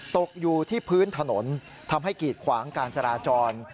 ตกอยู่ที่พื้นถนนทำให้กีดขวางการจราจร